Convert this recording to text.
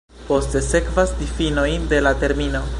Poste sekvas difinoj de la termino.